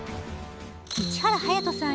市原隼人さん